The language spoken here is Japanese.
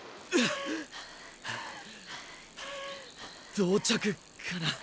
同着かな？